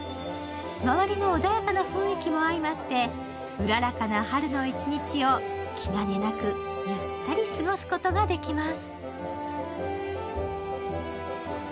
周りの穏やかな雰囲気も相まって、うららかな春の一日を気兼ねなくゆったり過ごすことができます。